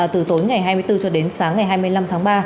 từ tối ngày hai mươi bốn cho đến sáng ngày hai mươi năm tháng ba